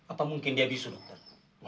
apa mungkin dia bisa dokter